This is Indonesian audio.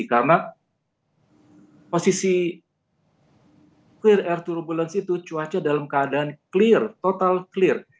karena posisi clear air turbulence itu cuaca dalam keadaan clear total clear